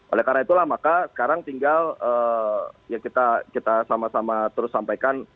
oleh karena itulah maka sekarang tinggal ya kita sama sama terus sampaikan